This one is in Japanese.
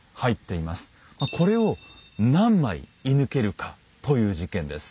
これを何枚射ぬけるかという実験です。